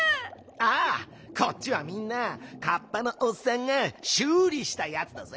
ああこっちはみんなカッパのおっさんがしゅうりしたやつだぜ。